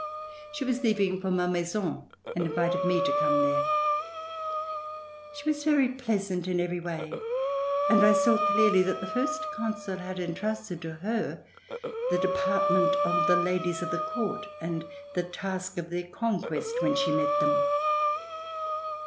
She was leaving for Mal maison and invited me to come there. She was very pleasant in every way and I saw clearly that the First Consul had intrusted to her the department of the ladies of the Court and the task of their conquest [313 ] RECOLLECTIONS OF THE REVOLUTION when she met them.